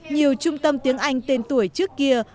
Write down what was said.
nhiều trung tâm tiếng anh tên tuổi trước kia